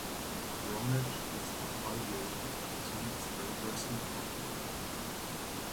Brown Edge lässt auch alljährlich die Tradition des Well Dressing aufleben.